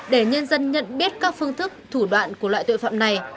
để nhân dân nhận biết các phương thức thủ đoạn của loại tuyệt vọng này